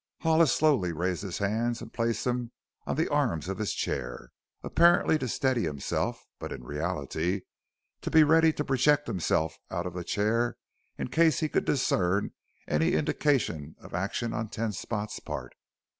Hollis slowly raised his hands and placed them on the arms of his chair, apparently to steady himself, but in reality to be ready to project himself out of the chair in case he could discern any indication of action on Ten Spot's part.